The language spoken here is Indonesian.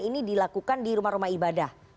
ini dilakukan di rumah rumah ibadah